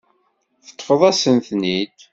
Teṭṭfeḍ-as-ten-id.